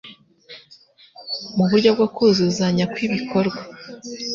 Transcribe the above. mu buryo bwo kuzuzanya kw’ibikorwa.